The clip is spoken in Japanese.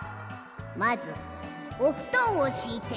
まずおふとんをしいて。